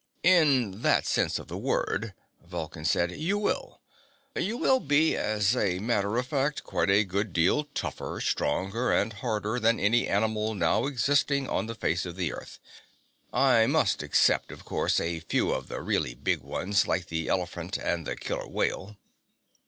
"In that sense of the word," Vulcan said, "you will. You will be, as a matter of fact, quite a good deal tougher, stronger and harder than any animal now existing on the face of the Earth. I must except, of course, a few of the really big ones, like the elephant and the killer whale."